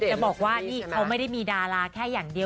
จะบอกว่านี่เขาไม่ได้มีดาราแค่อย่างเดียว